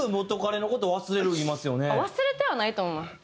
忘れてはないと思います。